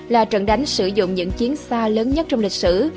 là trận đánh sử dụng những chiến xa lớn nhất trong lịch sử